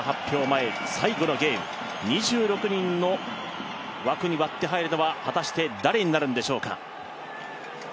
前最後のゲーム、２６人の枠に割って入るのは果たして誰になるのでしょうか。